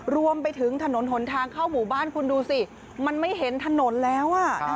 รวมไปถึงถนนหนทางเข้าหมู่บ้านคุณดูสิมันไม่เห็นถนนแล้ว